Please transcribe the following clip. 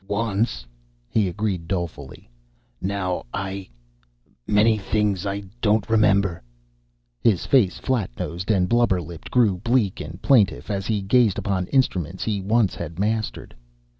"Once," he agreed dolefully. "Now I many thing I don't remember." His face, flat nosed and blubber lipped, grew bleak and plaintive as he gazed upon instruments he once had mastered.